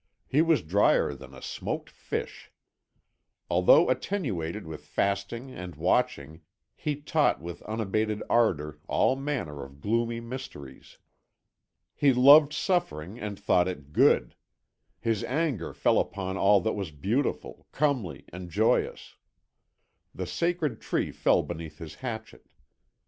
He was drier than a smoked fish. Although attenuated with fasting and watching, he taught with unabated ardour all manner of gloomy mysteries. He loved suffering, and thought it good; his anger fell upon all that was beautiful, comely, and joyous. The sacred tree fell beneath his hatchet.